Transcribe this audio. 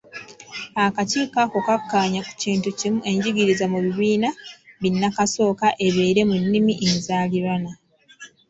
Akakiiko ako kakkaanya ku kimu nti enjigiriza mu bibiina binnakasooka ebeere mu nnimi enzaaliranwa.